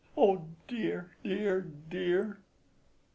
Oh, dear, dear, dear!"